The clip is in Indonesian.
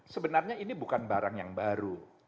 sebenarnya ini bukan barang yang baru